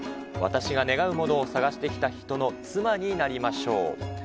私が願うものを探してきた人の妻になりましょう。